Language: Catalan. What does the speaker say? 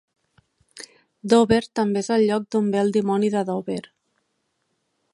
Dover també és el lloc d'on ve el Dimoni de Dover.